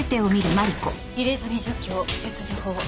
入れ墨除去切除法。